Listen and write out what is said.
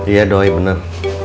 iya doi bener